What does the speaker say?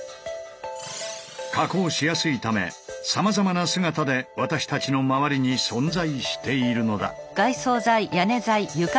加工しやすいためさまざまな姿で私たちの周りに存在しているのだ。